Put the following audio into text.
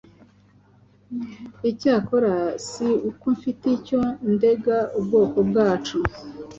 icyakora si uko mfite icyo ndega ubwoko bwacu.